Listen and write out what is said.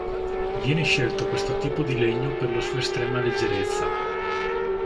Viene scelto questo tipo di legno per la sua estrema leggerezza.